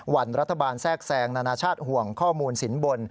วันรัฐบาลแทรกแซงนานาชาติห่วงข้อมูลสินบน